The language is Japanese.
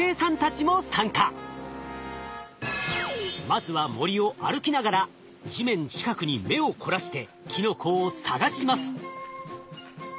まずは森を歩きながら地面近くに目を凝らしてキノコを探します。